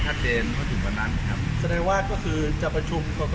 ก็เดให้คอคุยกับท่านมูนาจุฬินิดหนึ่งนะครับ